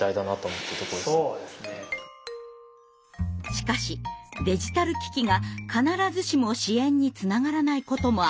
しかしデジタル機器が必ずしも支援につながらないこともあるそうです。